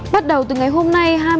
bắt đầu từ ngày hôm nay